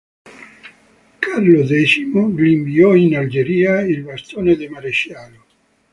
Carlo X gli inviò in Algeria il bastone da Maresciallo.